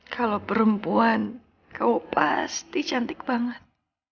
kalau perempuan kau pasti cantik banget